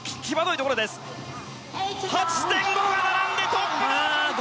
８．５が並んでトップだ！